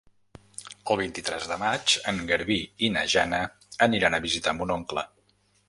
El vint-i-tres de maig en Garbí i na Jana aniran a visitar mon oncle.